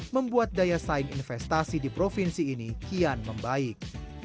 membuat daya saing investasi di provinsi ini kian membaik